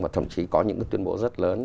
và thậm chí có những cái tuyên bố rất lớn